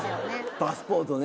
パスポートね。